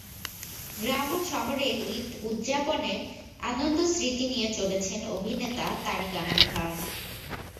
গ্রাম ও শহরের ঈদ উদ্যাপনের আনন্দস্মৃতি নিয়ে চলেছেন অভিনেতা তারিক আনাম খান।